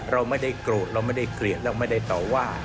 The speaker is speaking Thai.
เราไม่ได้โกรธเราไม่ได้เกลียดเราไม่ได้ต่อว่า